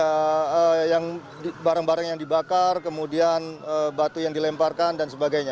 barang buktinya ya yang barang barang yang dibakar kemudian batu yang dilemparkan dan sebagainya